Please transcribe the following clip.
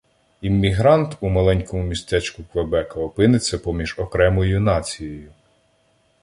Іммігрант у маленькому містечку Квебека опиниться поміж окремою нацією